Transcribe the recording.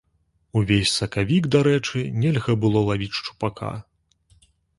Увесь сакавік, дарэчы, нельга было лавіць шчупака.